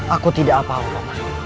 aku tidak apa apa